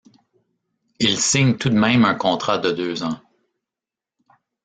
Il signe tout de même un contrat de deux ans.